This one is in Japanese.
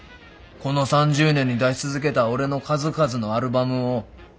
この３０年に出し続けた俺の数々のアルバムを。